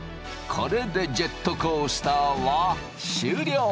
これでジェットコースターは終了。